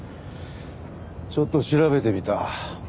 ちょっと調べてみた。